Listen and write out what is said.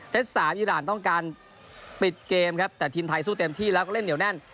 สามอิราณต้องการปิดเกมครับแต่ทีมไทยสู้เต็มที่แล้วก็เล่นเหนียวแน่น